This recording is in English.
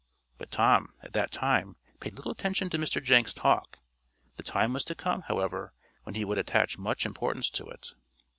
But Tom, at that time, paid little attention to Mr. Jenks' talk. The time was to come, however, when he would attach much importance to it.